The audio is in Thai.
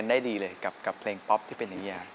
นั้นไปก่อน